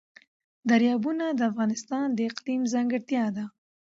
دریابونه د افغانستان د اقلیم ځانګړتیا ده.